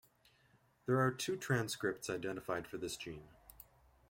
There are two transcripts identified for this gene.